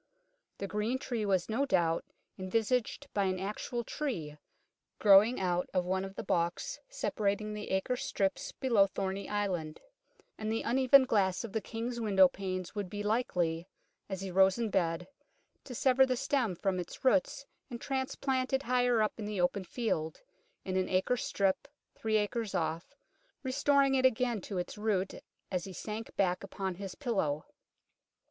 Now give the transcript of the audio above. The green tree was no doubt envisaged by an actual tree, growing out of one of the balks separating the acre strips below Thorney Island, and the uneven glass of the King's window panes would be likely, as he rose in bed, to sever the stem from its roots and transplant it higher up in the open field, in an acre strip three acres off, restoring it again to its root as he sank back upon his pillow.